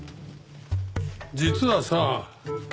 実はさ。